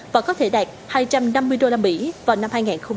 và có thể đạt hai trăm năm mươi usd vào năm hai nghìn hai mươi